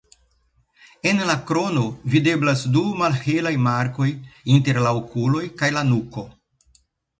En la krono videblas du malhelaj markoj inter la okuloj kaj la nuko.